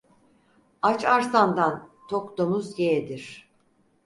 Aç arslandan tok domuz yeğdir.